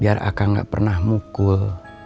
biar akang ga pernah mukul